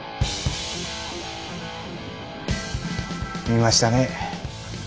見ましたね？